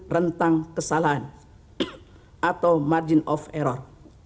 rentang kesalahan atau margin of error